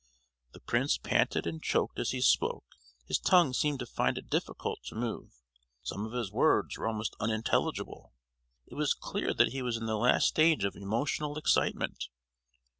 The prince panted and choked as he spoke; his tongue seemed to find it difficult to move; some of his words were almost unintelligible. It was clear that he was in the last stage of emotional excitement.